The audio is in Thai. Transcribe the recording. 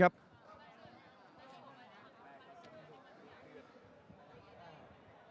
กับแฟนมุม